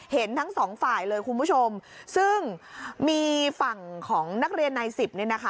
เห็นทั้งสองฝ่ายเลยคุณผู้ชมซึ่งมีฝั่งของนักเรียนนายสิบเนี่ยนะคะ